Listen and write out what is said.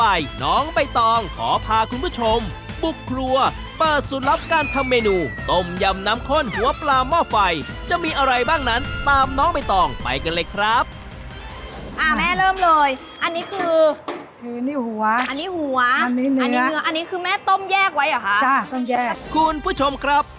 อันนี้คือแม่ต้มแยกไว้หรอคะค่ะต้มแยกคุณผู้ชมครับ